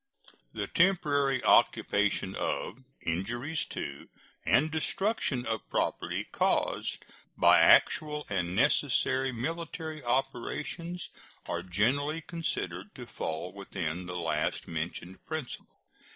The temporary occupation of, injuries to, and destruction of property caused by actual and necessary military operations are generally considered to fall within the last mentioned principle.